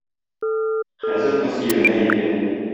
Хәзер кыз иренә әйтә